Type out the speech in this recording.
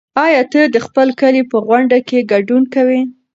ایا ته د خپل کلي په غونډه کې ګډون کوې؟